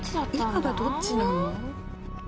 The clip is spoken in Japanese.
今のどっちなの？